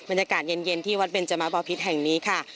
บรรยากาศเย็นที่วัดเบนจมะบอพิษแห่งนี้ค่ะ